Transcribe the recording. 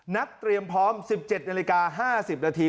เตรียมพร้อม๑๗นาฬิกา๕๐นาที